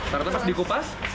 ternyata harus dikupas